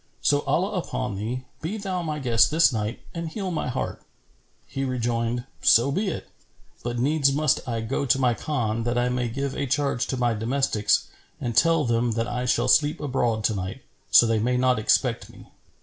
So, Allah upon thee, be thou my guest this night and heal my heart." He rejoined, "So be it; but needs must I go to my Khan, that I may give a charge to my domestics and tell them that I shall sleep abroad to night, so they may not expect me."